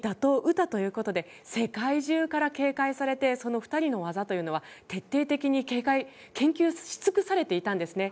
詩ということで世界中から警戒されて２人の技というのは徹底的に研究しつくされていたんです。